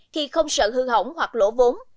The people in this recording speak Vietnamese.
thì không sợ hư hỏng hoặc lỗ vốn